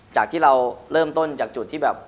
จากที่เราเริ่มต้นจากจุดที่แบบ